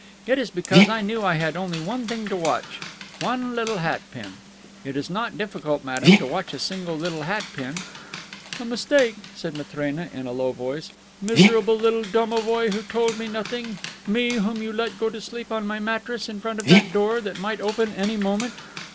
It is because I knew I had only one thing to watch: one little hat pin. It is not difficult, madame, to watch a single little hat pin." "A mistake," said Matrena, in a low voice. "Miserable little domovoi who told me nothing, me whom you let go to sleep on my mattress, in front of that door that might open any moment."